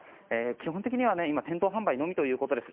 基本的には今店頭販売のみということです。